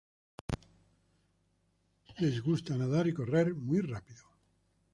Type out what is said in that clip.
Les gusta nadar y correr muy rápido.